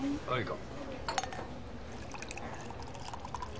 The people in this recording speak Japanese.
はい。